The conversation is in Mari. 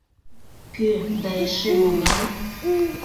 Кӧ да эше могай?!